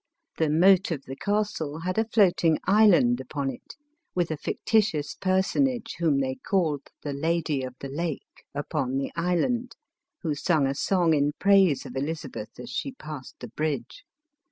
The moat of the castle had a floating island upon it, with a fictitious personage whom they called the Lady of the Lake, upon the island, who sung a song in praise of Elizabeth as she passed the bridge.